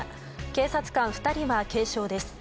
警察官２人は軽傷です。